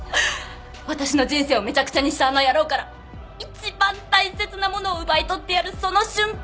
私の人生をめちゃくちゃにしたあの野郎から一番大切なものを奪い取ってやるその瞬間を。